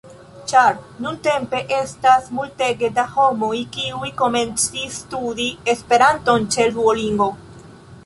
Ĉar nuntempe estas multege da homoj kiuj komencis studi Esperanton ĉe Duolingo